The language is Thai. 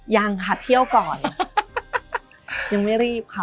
ยังค่ะเที่ยวก่อนยังไม่รีบค่ะ